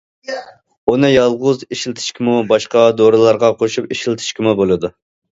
ئۇنى يالغۇز ئىشلىتىشكىمۇ، باشقا دورىلارغا قوشۇپ ئىشلىتىشكىمۇ بولىدۇ.